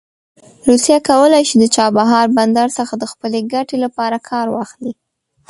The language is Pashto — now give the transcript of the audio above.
روسیه کولی شي د چابهار بندر څخه د خپلې ګټې لپاره کار واخلي.